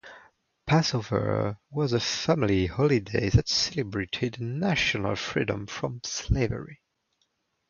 Passover was a family holiday that celebrated national freedom from slavery.